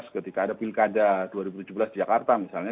dua ribu tujuh belas ketika ada pilkada dua ribu tujuh belas di jakarta misalnya